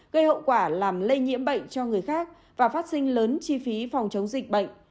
gây hậu quả làm lây nhiễm bệnh cho người khác và phát sinh lớn chi phí phòng chống dịch bệnh